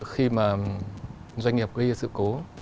khi mà doanh nghiệp gây ra sự cố